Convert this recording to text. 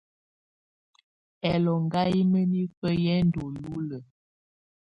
Ɛlɔŋgá yɛ́ mǝ́nifǝ́ yɛ́ ndɔ́ lulǝ́.